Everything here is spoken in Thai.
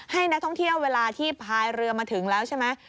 ให้นักท่องเที่ยวเวลาที่พายเรือมาถึงแล้วใช่ไหม